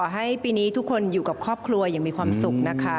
ให้ปีนี้ทุกคนอยู่กับครอบครัวอย่างมีความสุขนะคะ